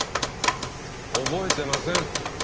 覚えてません。